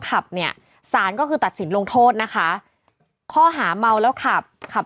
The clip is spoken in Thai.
ขับเนี่ยสารก็คือตัดสินลงโทษนะคะข้อหาเมาแล้วขับขับ